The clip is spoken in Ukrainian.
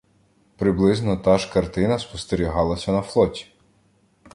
Приблизно та ж картина спостерігалася на флоті.